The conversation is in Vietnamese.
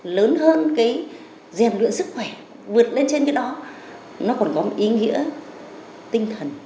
lớn hơn cái gian luyện sức khỏe vượt lên trên cái đó nó còn có một ý nghĩa tinh thần